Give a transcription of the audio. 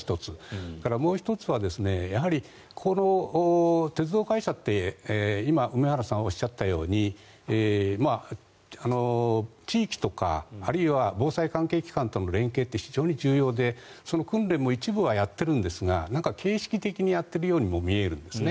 それからもう１つは鉄道会社って今、梅原さんがおっしゃったように地域とか、あるいは防災関係機関との連携って非常に重要で、その訓練も一部はやっているんですが形式的にやっているようにも見えるんですね。